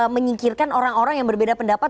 menyingkirkan orang orang yang berbeda pendapat